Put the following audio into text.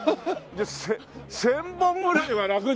１０００本ぐらいはラクに。